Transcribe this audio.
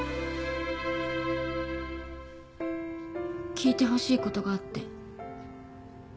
聞いてほしいことがあって。